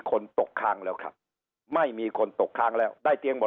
ตกค้างแล้วครับไม่มีคนตกค้างแล้วได้เตียงหมด